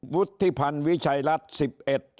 ๑๐วุฒิพันธ์วิชัยรัฐ